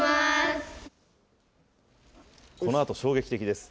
このあと衝撃的です。